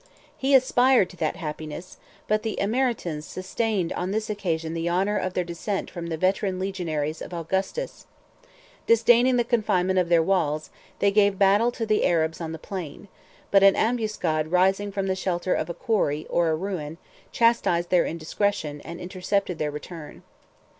He aspired to that happiness, but the Emeritans sustained on this occasion the honor of their descent from the veteran legionaries of Augustus 183 Disdaining the confinement of their walls, they gave battle to the Arabs on the plain; but an ambuscade rising from the shelter of a quarry, or a ruin, chastised their indiscretion, and intercepted their return.